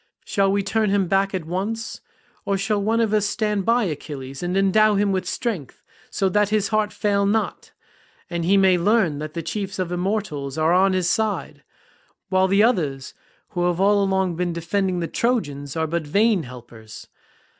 Shall we turn him back at once, or shall one of us stand by Achilles and endow him with strength so that his heart fail not, and he may learn that the chiefs of the immortals are on his side, while the others who have all along been defending the Trojans are but vain helpers?